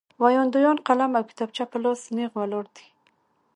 ویاندویان قلم او کتابچه په لاس نېغ ولاړ دي.